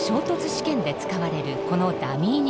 試験で使われるこのダミー人形。